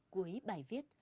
cuối bài viết